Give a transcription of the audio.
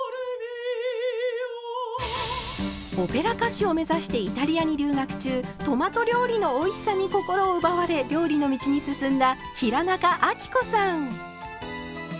オペラ歌手を目指してイタリアに留学中トマト料理のおいしさに心を奪われ料理の道に進んだ平仲亜貴子さん。